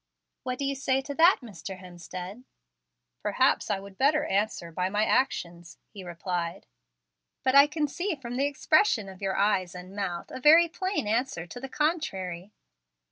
"What do you say to that, Mr. Hemstead?" "Perhaps I would better answer by my actions," he replied. "But I can see from the expression of your eyes and mouth a very plain answer to the contrary.